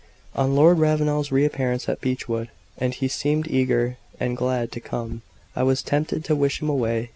On Lord Ravenel's re appearance at Beechwood and he seemed eager and glad to come I was tempted to wish him away.